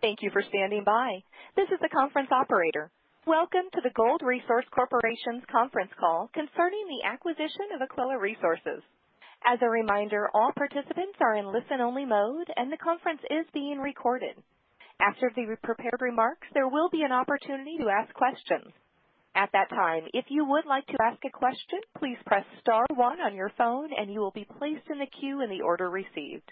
Thank you for standing by. This is the conference operator. Welcome to the Gold Resource Corporation's conference call concerning the acquisition of Aquila Resources. As a reminder, all participants are in listen-only mode, and the conference is being recorded. After the prepared remarks, there will be an opportunity to ask questions. At that time, if you would like to ask a question, please press star one on your phone, and you will be placed in the queue in the order received.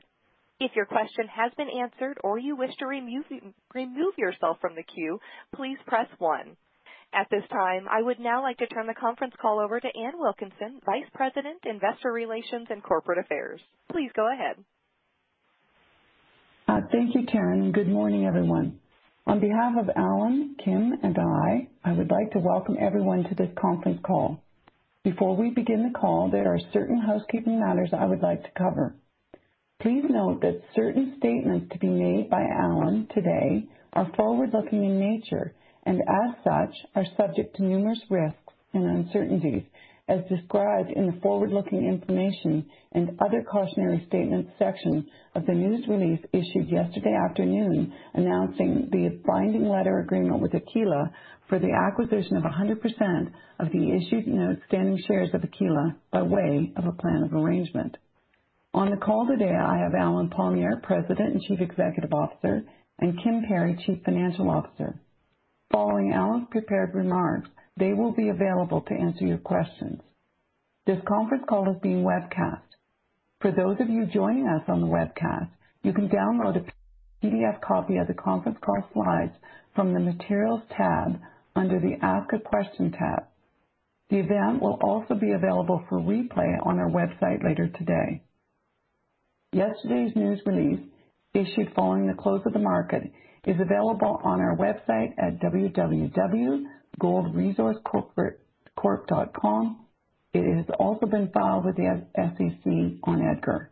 If your question has been answered or you wish to remove yourself from the queue, please press one. At this time, I would now like to turn the conference call over to Ann Wilkinson, Vice President, Investor Relations and Corporate Affairs. Please go ahead. Thank you, Karen. Good morning, everyone. On behalf of Allen, Kim, and I, I would like to welcome everyone to this conference call. Before we begin the call, there are certain housekeeping matters I would like to cover. Please note that certain statements to be made by Allen today are forward-looking in nature and, as such, are subject to numerous risks and uncertainties, as described in the forward-looking information and other cautionary statements section of the news release issued yesterday afternoon announcing the binding letter agreement with Aquila for the acquisition of 100% of the issued and outstanding shares of Aquila by way of a plan of arrangement. On the call today, I have Allen Palmiere, President and Chief Executive Officer, and Kim Perry, Chief Financial Officer. Following Allen's prepared remarks, they will be available to answer your questions. This conference call is being webcast. For those of you joining us on the webcast, you can download a PDF copy of the conference call slides from the materials tab under the Ask a Question tab. The event will also be available for replay on our website later today. Yesterday's news release, issued following the close of the market, is available on our website at www.goldresourcecorp.com. It has also been filed with the SEC on EDGAR.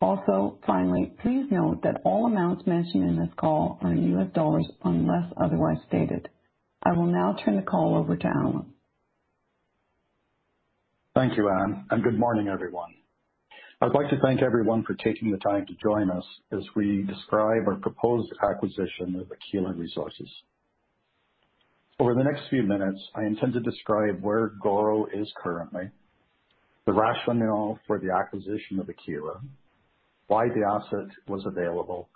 Also, finally, please note that all amounts mentioned in this call are in US dollars unless otherwise stated. I will now turn the call over to Allen. Thank you, Ann, and good morning, everyone. I'd like to thank everyone for taking the time to join us as we describe our proposed acquisition of Aquila Resources. Over the next few minutes, I intend to describe where GORO is currently, the rationale for the acquisition of Aquila, why the asset was available,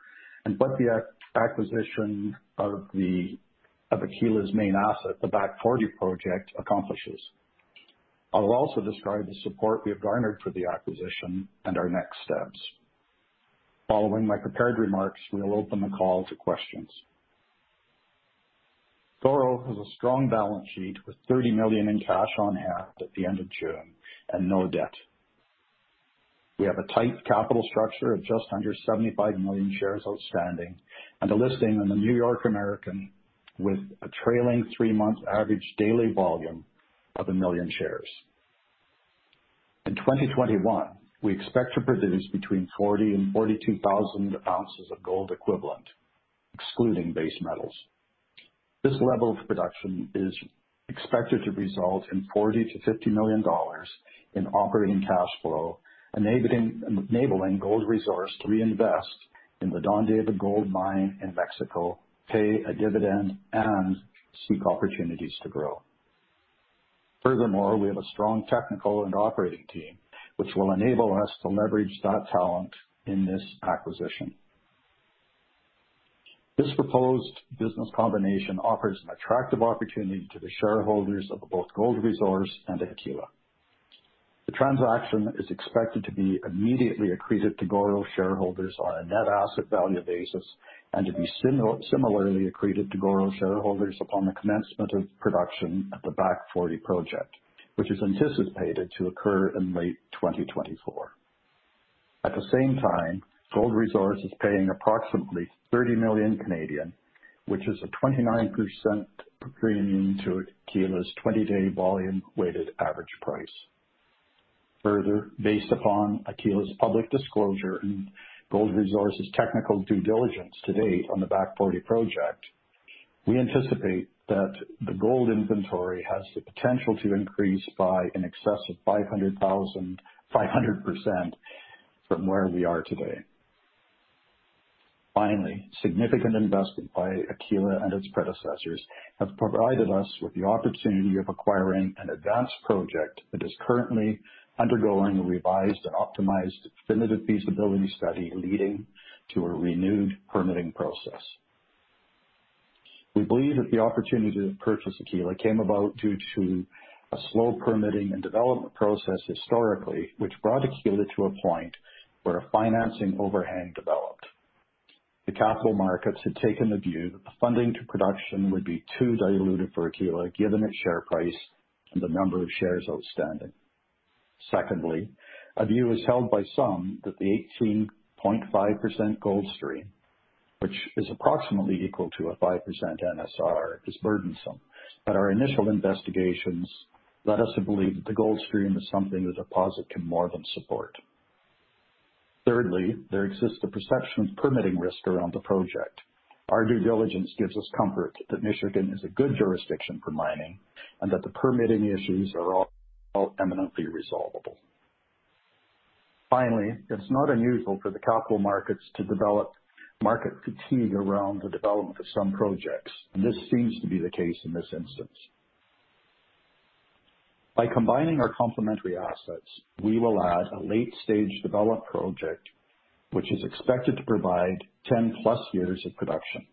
and what the acquisition of Aquila's main asset, the Back 40 Project, accomplishes. I'll also describe the support we have garnered for the acquisition and our next steps. Following my prepared remarks, we'll open the call to questions. GORO has a strong balance sheet with $30 million in cash on hand at the end of June and no debt. We have a tight capital structure of just under 75 million shares outstanding and a listing in the New York American with a trailing three-month average daily volume of 1 million shares. In 2021, we expect to produce between 40,000 and 42,000 ounces of gold equivalent, excluding base metals. This level of production is expected to result in $40 million-$50 million in operating cash flow, enabling Gold Resource to reinvest in the Don David Gold Mine in Mexico, pay a dividend, and seek opportunities to grow. Furthermore, we have a strong technical and operating team, which will enable us to leverage that talent in this acquisition. This proposed business combination offers an attractive opportunity to the shareholders of both Gold Resource and Aquila. The transaction is expected to be immediately accretive to GORO's shareholders on a net asset value basis and to be similarly accretive to GORO's shareholders upon the commencement of production at the Back 40 Project, which is anticipated to occur in late 2024. At the same time, Gold Resource is paying approximately 30 million, which is a 29% premium to Aquila's 20-day volume-weighted average price. Further, based upon Aquila's public disclosure and Gold Resource's technical due diligence to date on the Back 40 Project, we anticipate that the gold inventory has the potential to increase by an excess of 500% from where we are today. Finally, significant investment by Aquila and its predecessors has provided us with the opportunity of acquiring an advanced project that is currently undergoing a revised and optimized Definitive Feasibility Study leading to a renewed permitting process. We believe that the opportunity to purchase Aquila came about due to a slow permitting and development process historically, which brought Aquila to a point where a financing overhang developed. The capital markets had taken the view that the funding to production would be too diluted for Aquila, given its share price and the number of shares outstanding. Secondly, a view is held by some that the 18.5% gold stream, which is approximately equal to a 5% NSR, is burdensome, but our initial investigations led us to believe that the gold stream is something the deposit can more than support. Thirdly, there exists a perception of permitting risk around the project. Our due diligence gives us comfort that Michigan is a good jurisdiction for mining and that the permitting issues are all eminently resolvable. Finally, it's not unusual for the capital markets to develop market fatigue around the development of some projects, and this seems to be the case in this instance. By combining our complementary assets, we will add a late-stage developed project, which is expected to provide 10+ years of production.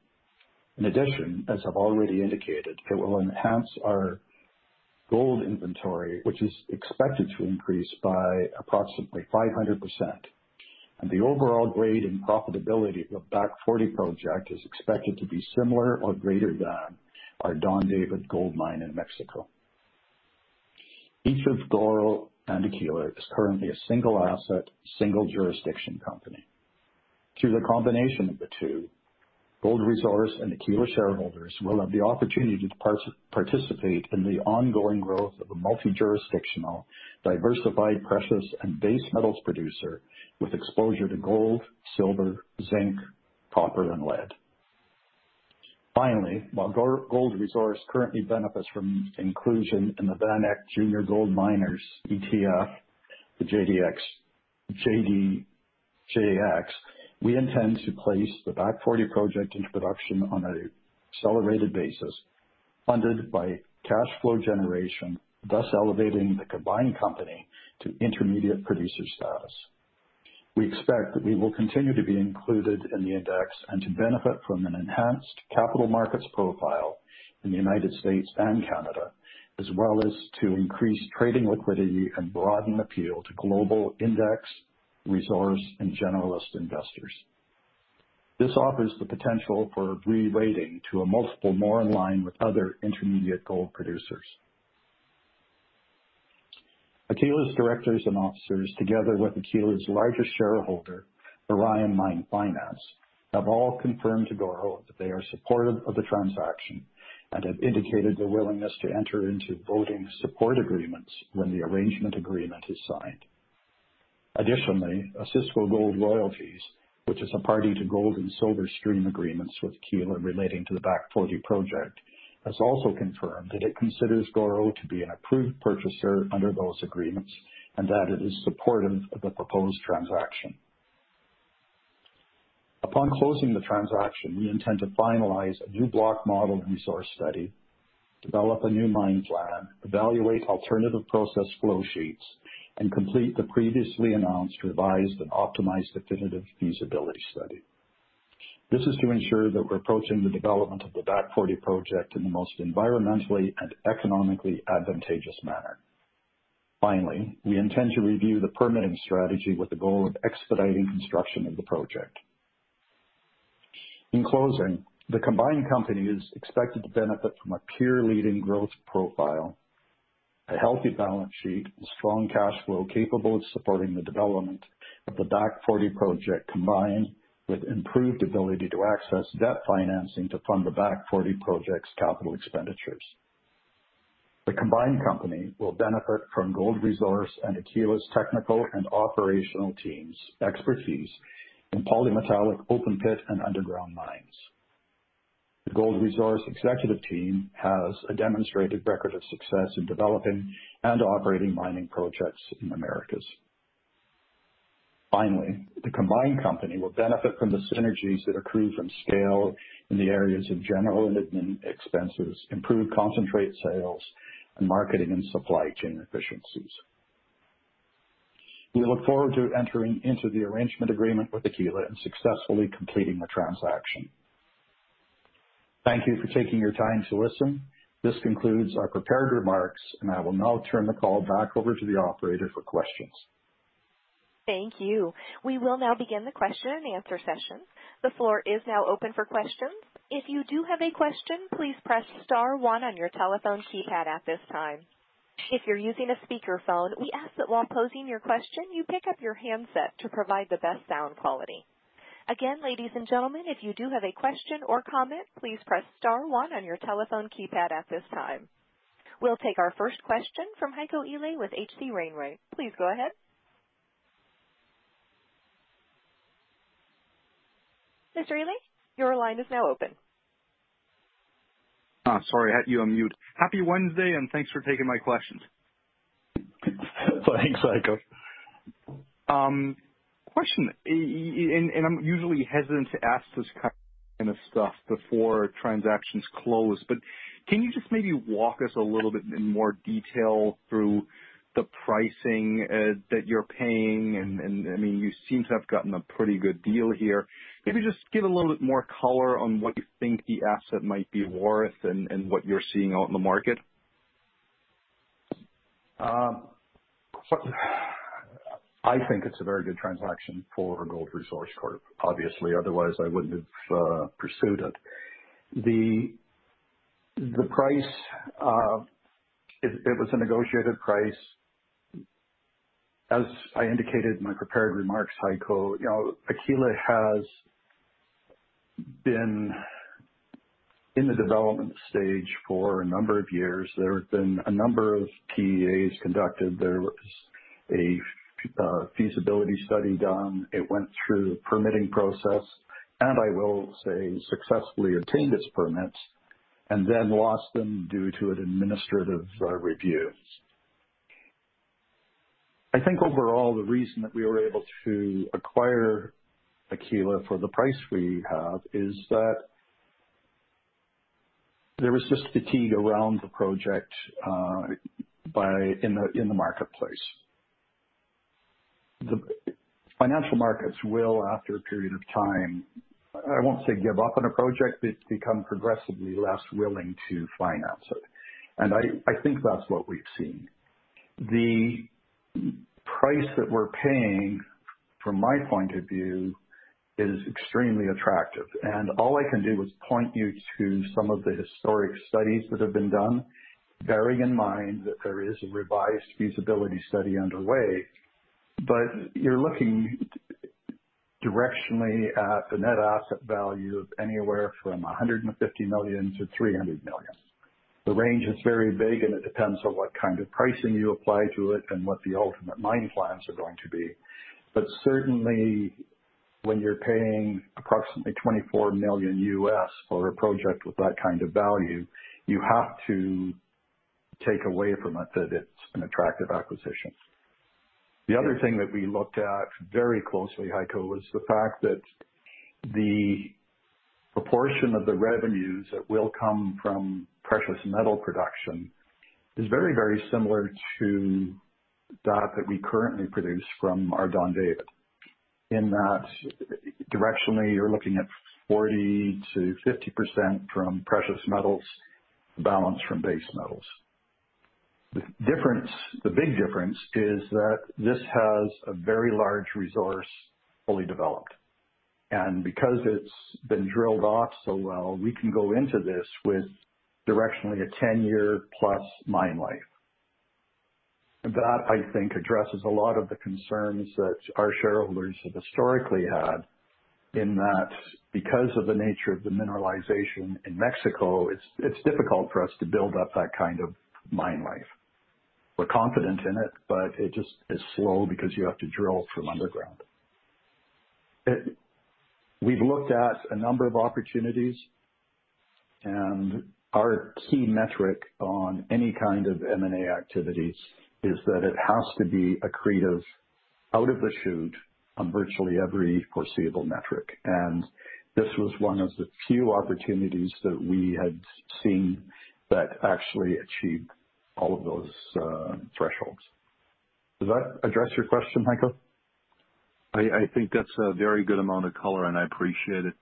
In addition, as I've already indicated, it will enhance our gold inventory, which is expected to increase by approximately 500%. The overall grade and profitability of the Back 40 Project is expected to be similar or greater than our Don David Gold Mine in Mexico. Each of GORO and Aquila is currently a single asset, single jurisdiction company. Through the combination of the two, Gold Resource and Aquila shareholders will have the opportunity to participate in the ongoing growth of a multi-jurisdictional, diversified precious and base metals producer with exposure to gold, silver, zinc, copper, and lead. Finally, while Gold Resource currently benefits from inclusion in the VanEck Junior Gold Miners ETF, the GDXJ, we intend to place the Back 40 Project into production on an accelerated basis, funded by cash flow generation, thus elevating the combined company to intermediate producer status. We expect that we will continue to be included in the index and to benefit from an enhanced capital markets profile in the United States and Canada, as well as to increase trading liquidity and broaden appeal to global index resource and generalist investors. This offers the potential for re-rating to a multiple more in line with other intermediate gold producers. Aquila's directors and officers, together with Aquila's largest shareholder, Orion Mine Finance, have all confirmed to GORO that they are supportive of the transaction and have indicated their willingness to enter into voting support agreements when the arrangement agreement is signed. Additionally, Franco-Nevada Corporation, which is a party to gold and silver stream agreements with Aquila relating to the Back 40 Project, has also confirmed that it considers GORO to be an approved purchaser under those agreements and that it is supportive of the proposed transaction. Upon closing the transaction, we intend to finalize a new block model resource study, develop a new mine plan, evaluate alternative process flow sheets, and complete the previously announced revised and optimized definitive feasibility study. This is to ensure that we're approaching the development of the Back 40 Project in the most environmentally and economically advantageous manner. Finally, we intend to review the permitting strategy with the goal of expediting construction of the project. In closing, the combined company is expected to benefit from a peer-leading growth profile, a healthy balance sheet, and strong cash flow capable of supporting the development of the Back 40 Project combined with improved ability to access debt financing to fund the Back 40 Project's capital expenditures. The combined company will benefit from Gold Resource and Aquila's technical and operational team's expertise in polymetallic, open-pit, and underground mines. The Gold Resource executive team has a demonstrated record of success in developing and operating mining projects in the Americas. Finally, the combined company will benefit from the synergies that accrue from scale in the areas of general and admin expenses, improved concentrate sales, and marketing and supply chain efficiencies. We look forward to entering into the arrangement agreement with Aquila and successfully completing the transaction. Thank you for taking your time to listen. This concludes our prepared remarks, and I will now turn the call back over to the operator for questions. Thank you. We will now begin the question-and-answer session. The floor is now open for questions. If you do have a question, please press star one on your telephone keypad at this time. If you're using a speakerphone, we ask that while posing your question, you pick up your handset to provide the best sound quality. Again, ladies and gentlemen, if you do have a question or comment, please press star one on your telephone keypad at this time. We'll take our first question from Heiko Ihle with H.C. Wainwright & Co. Please go ahead. Mr. Ihle, your line is now open. Sorry, I had you on mute. Happy Wednesday, and thanks for taking my questions. Thanks, Heiko. Question, and I'm usually hesitant to ask this kind of stuff before transactions close, but can you just maybe walk us a little bit in more detail through the pricing that you're paying? I mean, you seem to have gotten a pretty good deal here. Maybe just give a little bit more color on what you think the asset might be worth and what you're seeing out in the market. I think it's a very good transaction for Gold Resource Corp, obviously. Otherwise, I wouldn't have pursued it. The price, it was a negotiated price. As I indicated in my prepared remarks, Heiko, Aquila has been in the development stage for a number of years. There have been a number of PEAs conducted. There was a feasibility study done. It went through the permitting process, and I will say successfully obtained its permits and then lost them due to an administrative review. I think overall, the reason that we were able to acquire Aquila for the price we have is that there was just fatigue around the project in the marketplace. The financial markets will, after a period of time, I won't say give up on a project, but become progressively less willing to finance it. I think that's what we've seen. The price that we're paying, from my point of view, is extremely attractive. All I can do is point you to some of the historic studies that have been done, bearing in mind that there is a revised feasibility study underway. You're looking directionally at the net asset value of anywhere from $150 million-$300 million. The range is very big, and it depends on what kind of pricing you apply to it and what the ultimate mine plans are going to be. Certainly, when you're paying approximately $24 million for a project with that kind of value, you have to take away from it that it's an attractive acquisition. The other thing that we looked at very closely, Heiko, was the fact that the proportion of the revenues that will come from precious metal production is very, very similar to that that we currently produce from our Don David, in that directionally you're looking at 40%-50% from precious metals balanced from base metals. The big difference is that this has a very large resource fully developed. And because it's been drilled off so well, we can go into this with directionally a 10-year+ mine life. That, I think, addresses a lot of the concerns that our shareholders have historically had, in that because of the nature of the mineralization in Mexico, it's difficult for us to build up that kind of mine life. We're confident in it, but it just is slow because you have to drill from underground. We've looked at a number of opportunities, and our key metric on any kind of M&A activities is that it has to be accretive out of the chute on virtually every foreseeable metric. This was one of the few opportunities that we had seen that actually achieved all of those thresholds. Does that address your question, Heiko? I think that's a very good amount of color, and I appreciate it.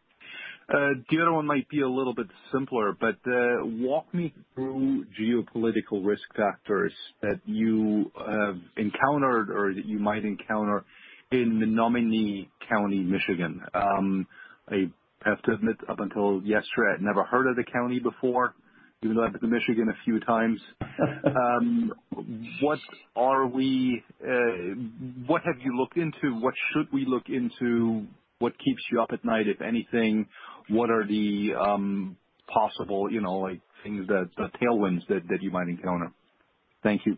The other one might be a little bit simpler, but walk me through geopolitical risk factors that you have encountered or that you might encounter in Menominee County, Michigan. I have to admit, up until yesterday, I'd never heard of the county before, even though I've been to Michigan a few times. What have you looked into? What should we look into? What keeps you up at night, if anything? What are the possible things, the tailwinds that you might encounter? Thank you.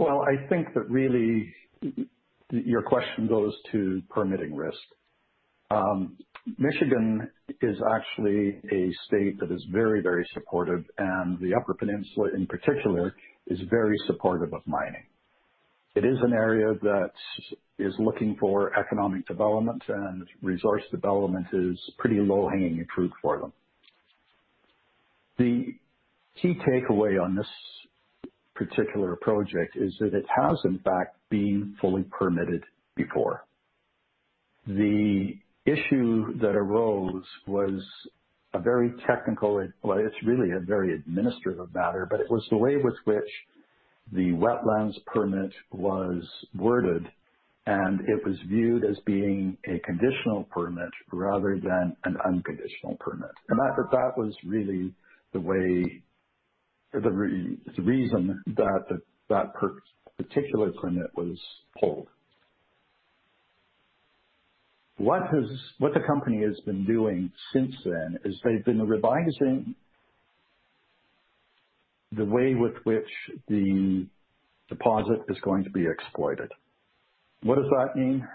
I think that really your question goes to permitting risk. Michigan is actually a state that is very, very supportive, and the Upper Peninsula in particular is very supportive of mining. It is an area that is looking for economic development, and resource development is pretty low-hanging fruit for them. The key takeaway on this particular project is that it has, in fact, been fully permitted before. The issue that arose was a very technical—it is really a very administrative matter—but it was the way with which the wetlands permit was worded, and it was viewed as being a conditional permit rather than an unconditional permit. That was really the reason that that particular permit was pulled. What the company has been doing since then is they have been revising the way with which the deposit is going to be exploited. What does that mean?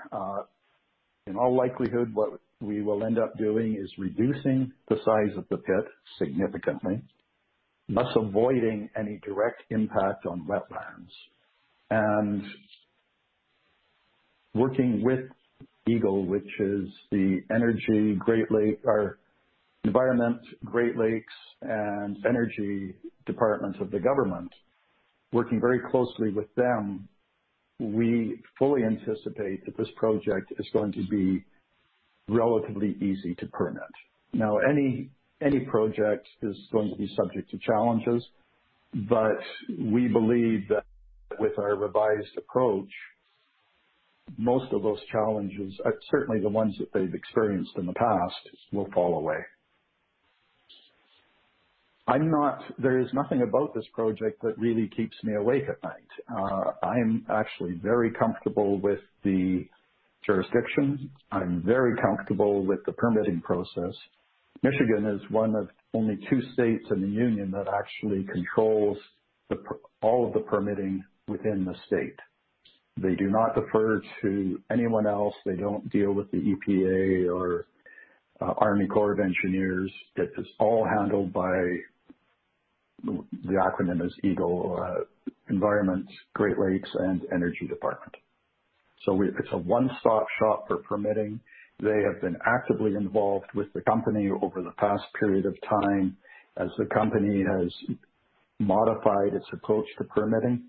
In all likelihood, what we will end up doing is reducing the size of the pit significantly, thus avoiding any direct impact on wetlands, and working with EGLE, which is the Environment, Great Lakes, and Energy departments of the government. Working very closely with them, we fully anticipate that this project is going to be relatively easy to permit. Now, any project is going to be subject to challenges, but we believe that with our revised approach, most of those challenges, certainly the ones that they've experienced in the past, will fall away. There is nothing about this project that really keeps me awake at night. I'm actually very comfortable with the jurisdiction. I'm very comfortable with the permitting process. Michigan is one of only two states in the union that actually controls all of the permitting within the state. They do not defer to anyone else. They do not deal with the EPA or Army Corps of Engineers. It is all handled by the acronym EGLE, Environment, Great Lakes, and Energy Department. It is a one-stop shop for permitting. They have been actively involved with the company over the past period of time as the company has modified its approach to permitting.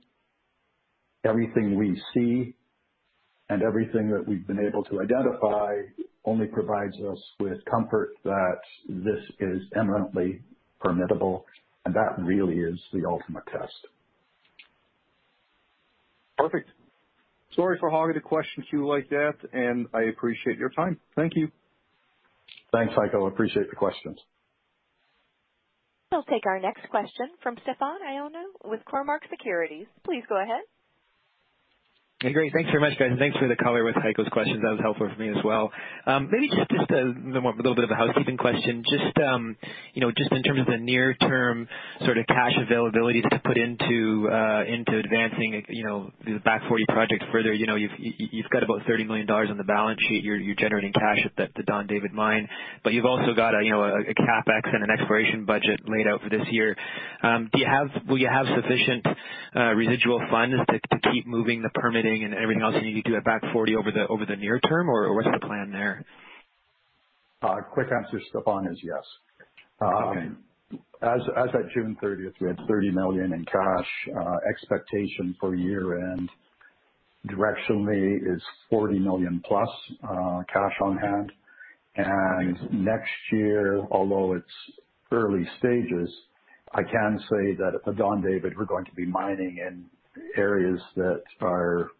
Everything we see and everything that we have been able to identify only provides us with comfort that this is eminently permittable, and that really is the ultimate test. Perfect. Sorry for hogging the question queue like that, and I appreciate your time. Thank you. Thanks, Heiko. Appreciate the questions. We'll take our next question from Stefan Ioannou with Cormark Securities. Please go ahead. Hey, great. Thanks very much, guys. Thanks for the color with Heiko's questions. That was helpful for me as well. Maybe just a little bit of a housekeeping question. Just in terms of the near-term sort of cash availability to put into advancing the Back 40 Project further, you've got about $30 million on the balance sheet. You're generating cash at the Don David mine, but you've also got a CapEx and an exploration budget laid out for this year. Will you have sufficient residual funds to keep moving the permitting and everything else you need to do at Back 40 over the near term, or what's the plan there? Quick answer, Stefan, is yes. As of June 30th, we had $30 million in cash. Expectation for year-end directionally is $40 million+ cash on hand. Next year, although it's early stages, I can say that at the Don David, we're going to be mining in areas that are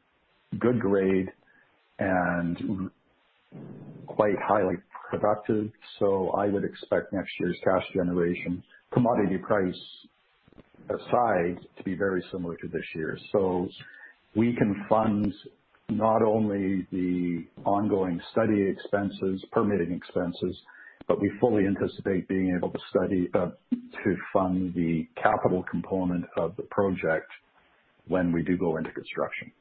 good grade and quite highly productive. I would expect next year's cash generation, commodity price aside, to be very similar to this year. We can fund not only the ongoing study expenses, permitting expenses, but we fully anticipate being able to fund the capital component of the project when we do go into construction.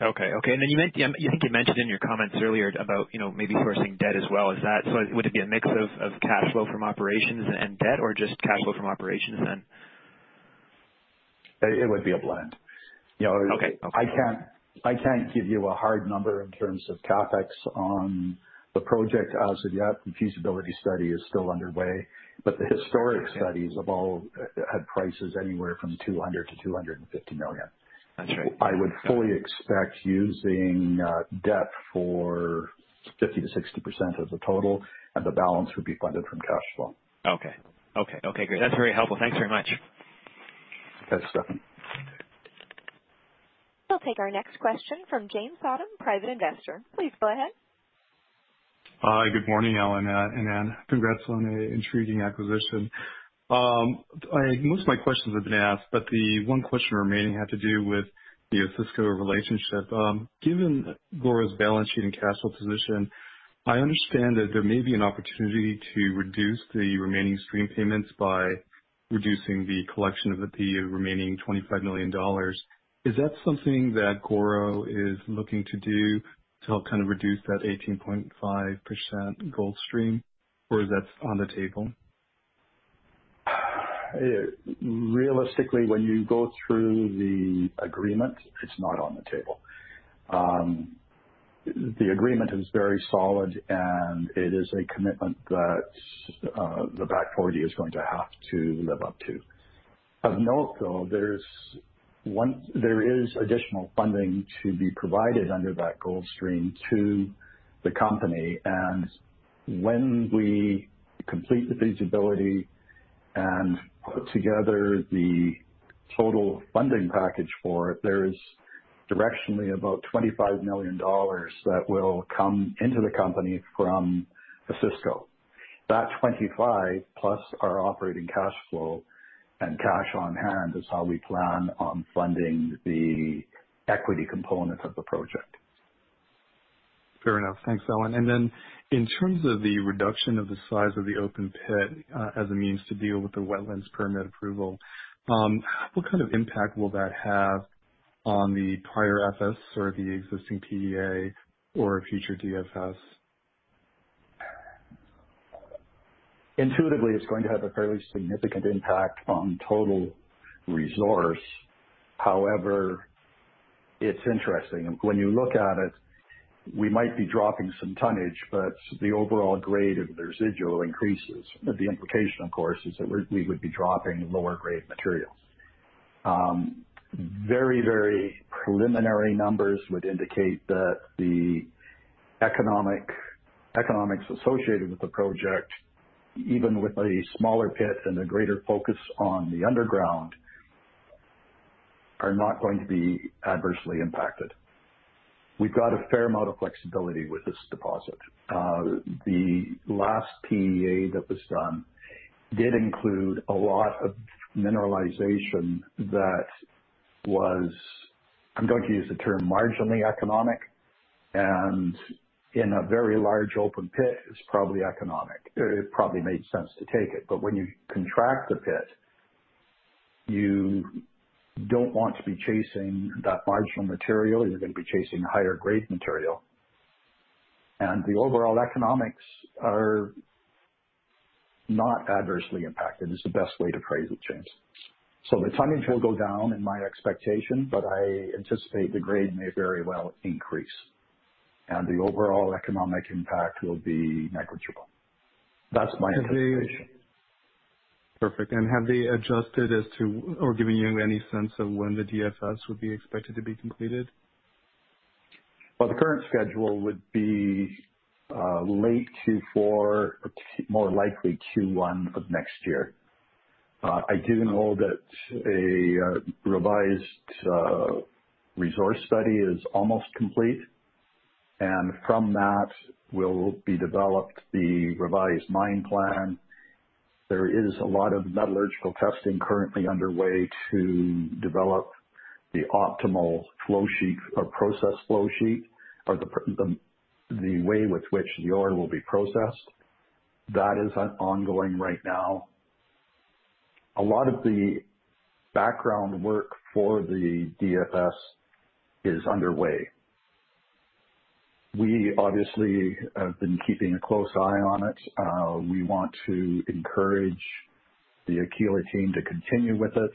Okay. Okay. You think you mentioned in your comments earlier about maybe sourcing debt as well. Would it be a mix of cash flow from operations and debt, or just cash flow from operations then? It would be a blend. I can't give you a hard number in terms of CapEx on the project as of yet. The feasibility study is still underway, but the historic studies have prices anywhere from $200 million-$250 million. I would fully expect using debt for 50%-60% of the total, and the balance would be funded from cash flow. Okay. Okay. Okay. Great. That's very helpful. Thanks very much. Thanks, Stefan. We'll take our next question from Jim Sotos, private investor. Please go ahead. Hi. Good morning, Allen and Anne. Congrats on an intriguing acquisition. Most of my questions have been asked, but the one question remaining had to do with the Franco-Nevada relationship. Given Gold's balance sheet and cash flow position, I understand that there may be an opportunity to reduce the remaining stream payments by reducing the collection of the remaining $25 million. Is that something that GORO is looking to do to help kind of reduce that 18.5% gold stream, or is that on the table? Realistically, when you go through the agreement, it's not on the table. The agreement is very solid, and it is a commitment that the Back 40 is going to have to live up to. Of note, though, there is additional funding to be provided under that gold stream to the company. When we complete the feasibility and put together the total funding package for it, there is directionally about $25 million that will come into the company from Franco-Nevada. That $25 million plus our operating cash flow and cash on hand is how we plan on funding the equity component of the project. Fair enough. Thanks, Allen. In terms of the reduction of the size of the open pit as a means to deal with the wetlands permit approval, what kind of impact will that have on the prior FS or the existing PEA or future DFS? Intuitively, it's going to have a fairly significant impact on total resource. However, it's interesting. When you look at it, we might be dropping some tonnage, but the overall grade of the residual increases. The implication, of course, is that we would be dropping lower-grade materials. Very, very preliminary numbers would indicate that the economics associated with the project, even with a smaller pit and a greater focus on the underground, are not going to be adversely impacted. We've got a fair amount of flexibility with this deposit. The last PEA that was done did include a lot of mineralization that was, I'm going to use the term, marginally economic, and in a very large open pit, it's probably economic. It probably made sense to take it. When you contract the pit, you don't want to be chasing that marginal material. You're going to be chasing higher-grade material. The overall economics are not adversely impacted, is the best way to phrase it, James. The tonnage will go down, in my expectation, but I anticipate the grade may very well increase, and the overall economic impact will be negligible. That's my anticipation. Perfect. Have they adjusted or given you any sense of when the DFS would be expected to be completed? The current schedule would be late Q4, more likely Q1 of next year. I do know that a revised resource study is almost complete, and from that, will be developed the revised mine plan. There is a lot of metallurgical testing currently underway to develop the optimal flow sheet or process flow sheet or the way with which the ore will be processed. That is ongoing right now. A lot of the background work for the DFS is underway. We obviously have been keeping a close eye on it. We want to encourage the Aquila team to continue with it.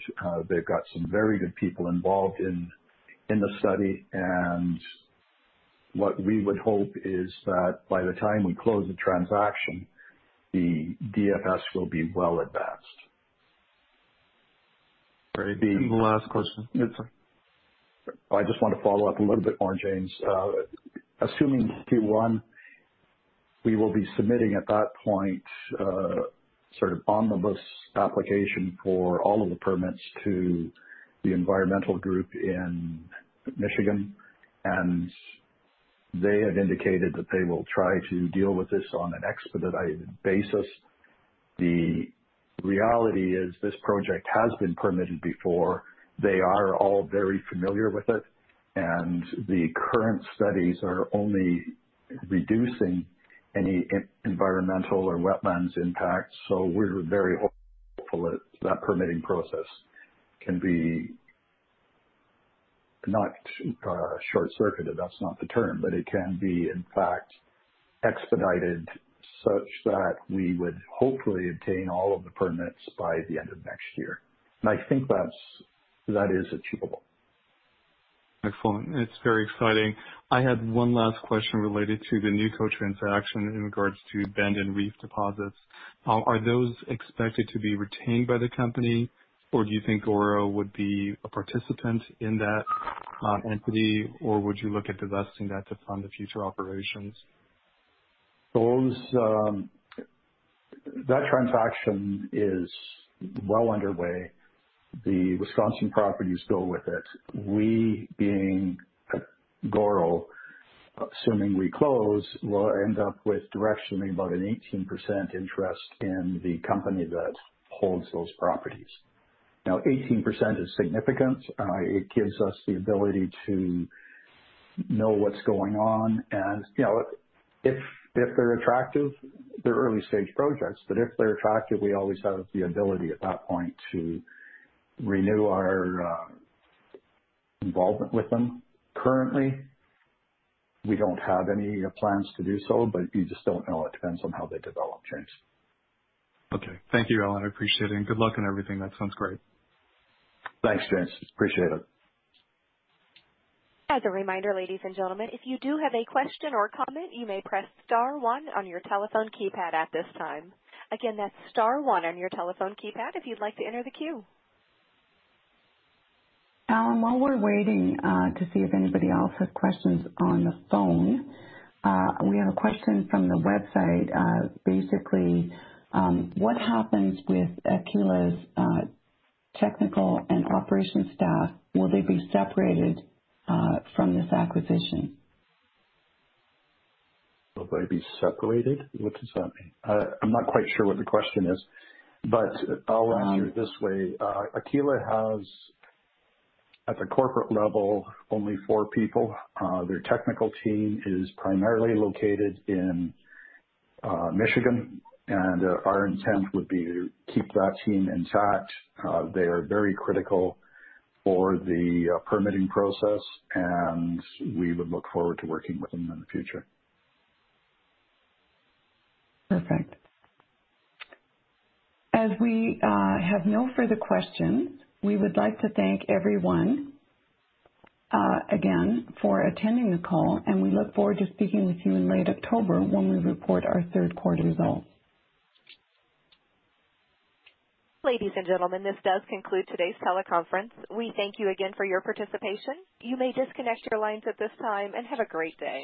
They've got some very good people involved in the study, and what we would hope is that by the time we close the transaction, the DFS will be well advanced. All right. The last question. Yes, sir. I just want to follow up a little bit more, James. Assuming Q1, we will be submitting at that point sort of omnibus application for all of the permits to the environmental group in Michigan, and they have indicated that they will try to deal with this on an expedited basis. The reality is this project has been permitted before. They are all very familiar with it, and the current studies are only reducing any environmental or wetlands impacts. We are very hopeful that that permitting process can be not short-circuited. That's not the term, but it can be, in fact, expedited such that we would hopefully obtain all of the permits by the end of next year. I think that is achievable. Excellent. It's very exciting. I had one last question related to the Nuco transaction in regards to Bend and Reef deposits. Are those expected to be retained by the company, or do you think GORO would be a participant in that entity, or would you look at divesting that to fund the future operations? That transaction is well underway. The Wisconsin properties go with it. We, being GORO, assuming we close, will end up with directionally about an 18% interest in the company that holds those properties. Now, 18% is significant. It gives us the ability to know what's going on. If they're attractive, they're early-stage projects, but if they're attractive, we always have the ability at that point to renew our involvement with them. Currently, we don't have any plans to do so, but you just don't know. It depends on how they develop, James. Okay. Thank you, Allen. I appreciate it. Good luck and everything. That sounds great. Thanks, James. Appreciate it. As a reminder, ladies and gentlemen, if you do have a question or comment, you may press star one on your telephone keypad at this time. Again, that's star one on your telephone keypad if you'd like to enter the queue. Allen, while we're waiting to see if anybody else has questions on the phone, we have a question from the website. Basically, what happens with Aquila's technical and operations staff? Will they be separated from this acquisition? Will they be separated? What does that mean? I'm not quite sure what the question is, but I'll answer it this way. Aquila has, at the corporate level, only four people. Their technical team is primarily located in Michigan, and our intent would be to keep that team intact. They are very critical for the permitting process, and we would look forward to working with them in the future. Perfect. As we have no further questions, we would like to thank everyone again for attending the call, and we look forward to speaking with you in late October when we report our third-quarter results. Ladies and gentlemen, this does conclude today's teleconference. We thank you again for your participation. You may disconnect your lines at this time and have a great day.